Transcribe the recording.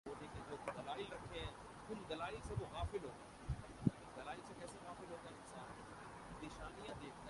لیکن سائنسدان کا خیال ہونا کہ ہمارہ اجرام فلکی کا اندر ایک وقت میں اور کی تعداد میں بالغ یا کم عمر پرندہ ہونا ہونا